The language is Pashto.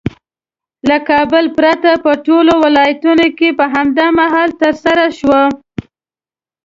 له کابل پرته په ټولو ولایتونو کې په هم مهاله ترسره شوه.